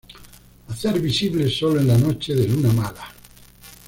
Hacer visibles sólo en la noche de luna mala.